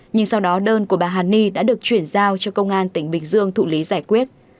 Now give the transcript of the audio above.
nhưng sau đó đơn của bà hà ni đã được chuyển giao cho công an tp hcm thụ lý giải quyết